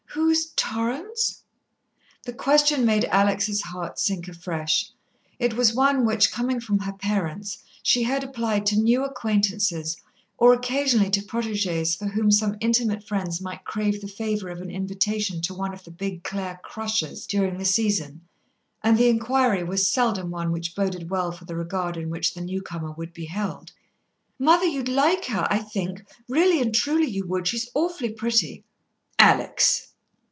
"Who's Torrance?" The question made Alex' heart sink afresh. It was one which, coming from her parents, she heard applied to new acquaintances, or occasionally to protégés for whom some intimate friends might crave the favour of an invitation to one of the big Clare "crushes" during the season, and the inquiry was seldom one which boded well for the regard in which the newcomer would be held. "Mother, you'd like her, I think, really and truly you would. She's awfully pretty." "Alex!"